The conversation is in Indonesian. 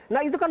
nah itu kan